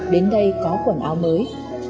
đến đây có quần áo mới